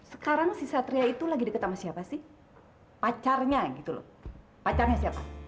sekarang si satria itu lagi deket sama siapa sih pacarnya gitu loh pacarnya siapa